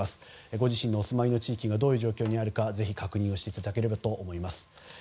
ご自身のお住まいの地域がどういう状況にあるか確認していただければと思います。